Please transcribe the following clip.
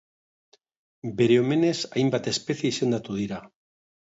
Bere omenez hainbat espezie izendatu dira.